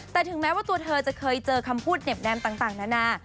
แต่ถึงแม้ว่าตัวเธอจะเคยเจอคำพูดเหน็บแนมต่างนานา